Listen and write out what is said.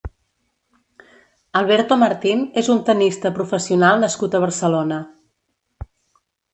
Alberto Martín és un tennista professional nascut a Barcelona.